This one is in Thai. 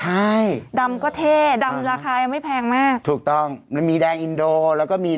เห้อดำราคาอีกไม่แพงแหมถูกต้องมันมีแดงอินโดแล้วก็มี